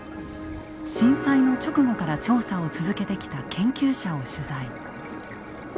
震災の直後から調査を続けてきた研究者を取材。